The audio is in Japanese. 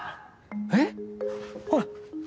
えっ？ほら！